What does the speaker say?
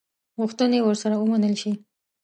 غوښتني ورسره ومنلي شي.